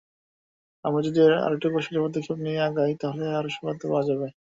আমরা যদি আরেকটু কৌশলী পদক্ষেপ নিয়ে আগাই, তাহলে আরও সফলতা পাওয়া যাবে।